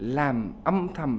làm âm thầm